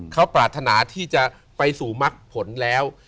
เขาปรารถนาที่จะไปสู่มักผลแล้ว